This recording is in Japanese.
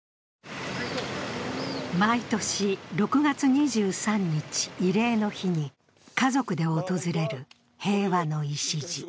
毎年６月２３日、慰霊の日に家族で訪れる平和の礎。